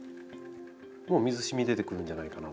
もう水しみ出てくるんじゃないかな。